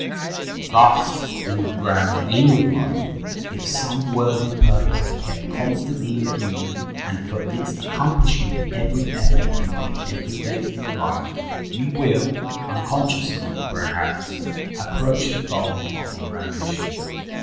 Thus, in the grand aim of life, if some worthy purpose be kept constantly in view, and for its accomplishment every effort be made every day of your life, you will, unconsciously, perhaps, approach the goal of your ambition.